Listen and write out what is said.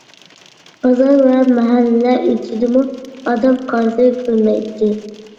بازار ۋە مەھەللە ئىچىدىمۇ ئادەم قارىسى كۆرۈنمەيتتى.